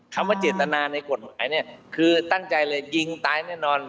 คำว่าเจตนาในกฎหมายเนี่ยคือตั้งใจเลยยิงตายแน่นอน